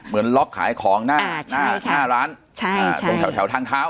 เหมือนล็อกขายของอ่าใช่ค่ะหน้าร้านใช่ใช่ตรงแถวแถวทางเท้า